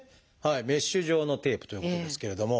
メッシュ状のテープということですけれども。